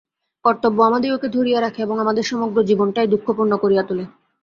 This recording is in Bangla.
কর্তব্য আমাদিগকে ধরিয়া রাখে এবং আমাদের সমগ্র জীবনটাই দুঃখপূর্ণ করিয়া তুলে।